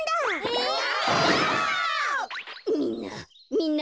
みんな。